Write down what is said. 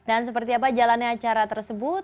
dan seperti apa jalannya acara tersebut